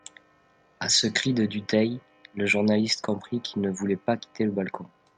A ce cri de Dutheil, le journaliste comprit qu'il ne voulait pas quitter le balcon.